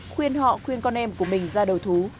khuyên họ khuyên con em của mình ra đầu thú